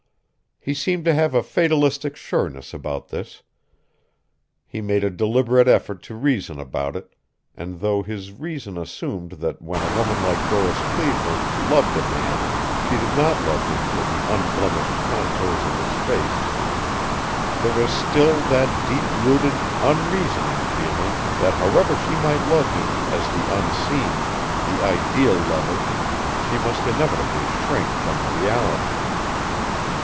He seemed to have a fatalistic sureness about this. He made a deliberate effort to reason about it, and though his reason assumed that when a woman like Doris Cleveland loved a man she did not love him for the unblemished contours of his face, there was still that deep rooted, unreasoning feeling that however she might love him as the unseen, the ideal lover, she must inevitably shrink from the reality.